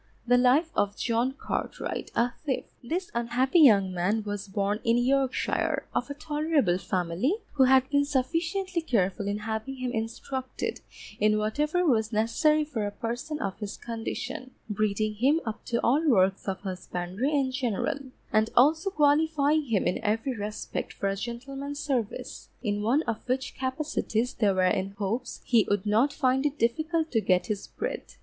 The Life of JOHN CARTWRIGHT, a Thief This unhappy young man was born in Yorkshire, of a tolerable family, who had been sufficiently careful in having him instructed in whatever was necessary for a person of his condition, breeding him up to all works of husbandry in general, and also qualifying him in every respect for a gentleman's service; in one of which capacities they were in hopes he would not find it difficult to get his bread.